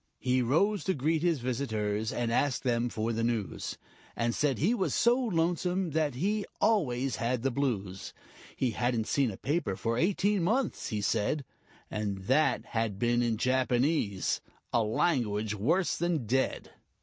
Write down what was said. He rose to greet his visitors, and ask them for the news, And said he was so lonesome that he always had the blues; He hadn't seen a paper for eighteen months, he said, And that had been in Japanese a language worse than dead.